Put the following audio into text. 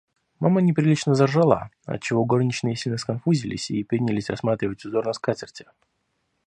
Мама неприлично заржала, отчего горничные сильно сконфузились и принялись рассматривать узор на скатерти.